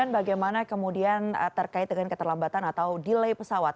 bagaimana kemudian terkait dengan keterlambatan atau delay pesawat